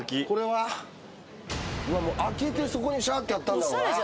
開けてそこにシャーッとやったんだろうな。